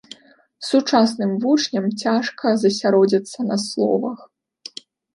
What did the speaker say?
Сучасным вучням цяжка засяродзіцца на словах.